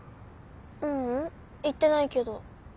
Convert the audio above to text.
ううん行ってないけど。